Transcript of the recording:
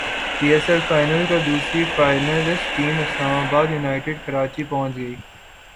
پی S L کا final دوسری finalist team اسلام باد یونائیٹڈ کراچی پہنچ گئی